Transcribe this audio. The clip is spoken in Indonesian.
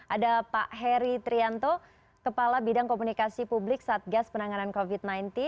ada pak heri trianto kepala bidang komunikasi publik satgas penanganan covid sembilan belas